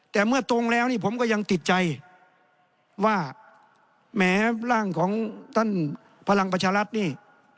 แต่เมื่อตรงแล้วนี่ผมก็ยังติดใจว่าแหมร่างของท่านพลังประชารัฐนี่